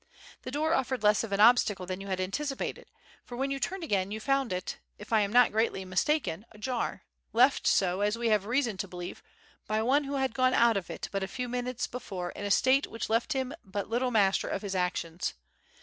The door offered less of an obstacle than you had anticipated; for when you turned again you found it, if I am not greatly mistaken, ajar, left so, as we have reason to believe, by one who had gone out of it but a few minutes before in a state which left him but little master of his actions.